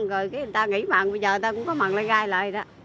rồi người ta nghỉ mặn bây giờ người ta cũng có mặn lấy gai lại